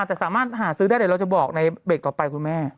แต่สามารถหาซื้อได้เดี๋ยวเราจะบอกในเบรกต่อไปคุณแม่